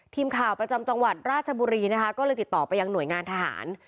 ทีมข่าวประจำจังหวัดราชบุรีก็เลยติดต่อไปที่หน่วยงานทหาร